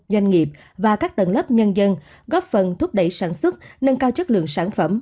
doanh nghiệp và các tầng lớp nhân dân góp phần thúc đẩy sản xuất nâng cao chất lượng sản phẩm